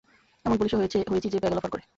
এমন পুলিশও হয়েছি যে ব্যাগেল অফার করে।